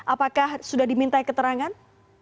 apakah sudah diminta keterangan